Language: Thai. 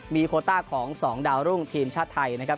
มีโควต้าของสองดาวรุ่งทีมชาติไทย